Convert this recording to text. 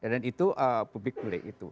dan itu publik mulai itu